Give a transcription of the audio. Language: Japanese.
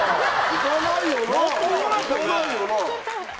いかないよな。